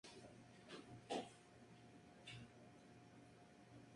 Pablo Monger Flames.